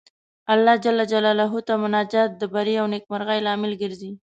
الله جل جلاله ته مناجات د بري او نېکمرغۍ لامل ګرځي.